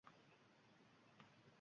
Tanlovdagi asosiy shartli raqslar: